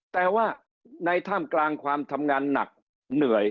แต่ว่าในท่ามกลางความทำงานหนักเหนื่อย